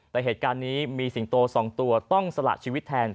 แต่เหตุการณ์นี้มีสิงโต๒ตัวต้องสละชีวิตแทน